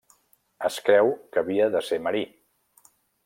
Es creu que havia de ser marí.